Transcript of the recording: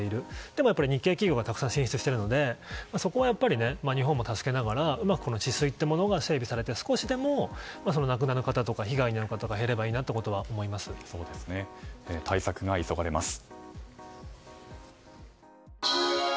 でも日系企業がたくさん進出しているのでそこは日本も助けながら治水というものが整備されて少しでも亡くなる方とか被害に遭う方が減ればいいなと対策が急がれます。